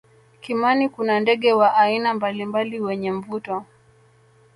kimani kuna ndege wa aina mbalimbali wenye mvuto